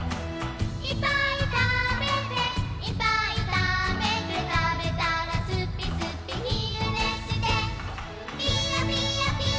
「いっぱいたべていっぱいたべて」「たべたらすぴすぴひるねして」「ぴよぴよぴー」